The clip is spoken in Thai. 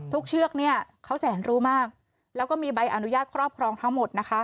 เชือกเนี่ยเขาแสนรู้มากแล้วก็มีใบอนุญาตครอบครองทั้งหมดนะคะ